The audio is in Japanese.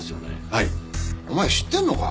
はいお前知ってんのか？